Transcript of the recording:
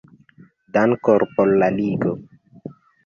Dankon por la ligo.